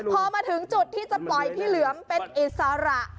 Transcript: พอมาถึงจุดที่จะปล่อยพี่เหลือมเป็นอิสระ